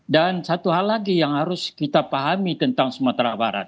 dan satu hal lagi yang harus kita pahami tentang sumatera barat